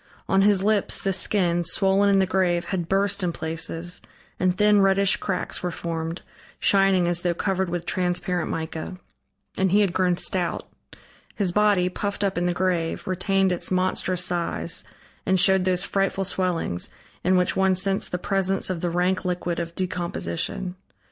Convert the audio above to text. On his lips the skin, swollen in the grave, had burst in places, and thin, reddish cracks were formed, shining as though covered with transparent mica. And he had grown stout. His body, puffed up in the grave, retained its monstrous size and showed those frightful swellings, in which one sensed the presence of the rank liquid of decomposition.